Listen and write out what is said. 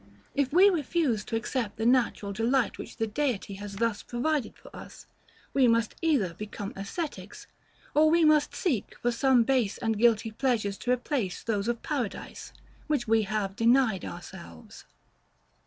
If we refuse to accept the natural delight which the Deity has thus provided for us, we must either become ascetics, or we must seek for some base and guilty pleasures to replace those of Paradise, which we have denied ourselves.